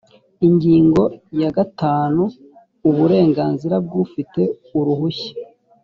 ingingo ya gatanu uburenganzira bw ufite uruhushya